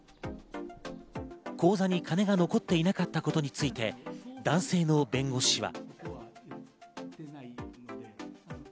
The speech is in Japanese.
口座に金が残っていなかったことについて、男性の弁護士は。